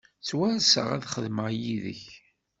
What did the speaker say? Ttwarseɣ ad xedmeɣ yid-k.